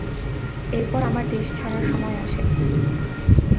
এরপর আমার দেশ ছাড়ার সময় আসে।